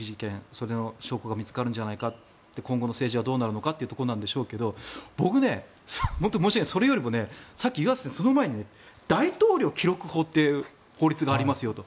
それの証拠が見つかるんじゃないかって今後の政治はどうなるのかというところでしょうが僕、申し訳ないその前に大統領記録法っていう法律がありますよと。